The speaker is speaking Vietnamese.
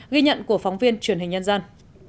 ghi nhận của phóng viên truyền hình nhân dân